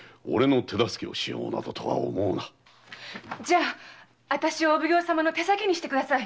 じゃ私をお奉行様の手先にしてください。